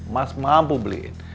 mas mampu beliin